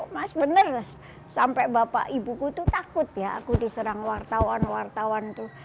mas bener sampai bapak ibuku tuh takut ya aku diserang wartawan wartawan tuh